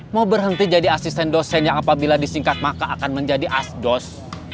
mau berhenti jadi asisten dosen yang apabila disingkat maka akan menjadi asdos